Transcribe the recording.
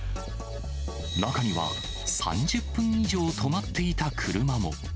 中には、３０分以上止まっていた車も。